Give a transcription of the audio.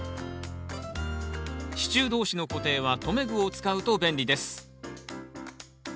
支柱同士の固定は留め具を使うと便利です。